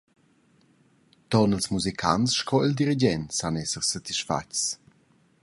Ton ils musicants sco il dirigent san esser satisfatgs.